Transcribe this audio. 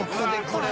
これ。